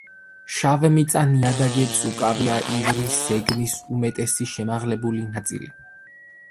შავმიწა ნიადაგებს უკავია ივრის ზეგნის უმეტესი შემაღლებული ნაწილი.